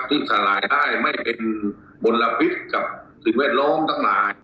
ที่สลายได้ไม่เป็นมลพิษกับสิ่งแวดล้อมทั้งหลาย